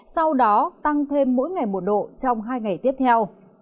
sau đó tăng thêm mỗi ngày một độ trong hai ngày tiếp theo